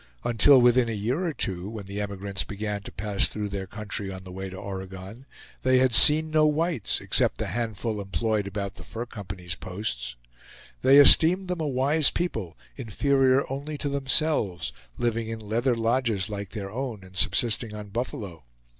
Until within a year or two, when the emigrants began to pass through their country on the way to Oregon, they had seen no whites except the handful employed about the Fur Company's posts. They esteemed them a wise people, inferior only to themselves, living in leather lodges, like their own, and subsisting on buffalo.